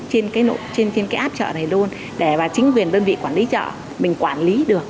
trên cái app chợ này luôn để chính quyền đơn vị quản lý chợ mình quản lý được